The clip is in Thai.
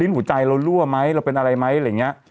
หัวใจเรารั่วไหมเราเป็นอะไรไหมอะไรอย่างนี้